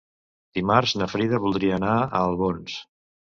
Dimarts na Frida voldria anar a Albons.